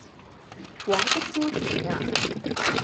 廣式燒填鴨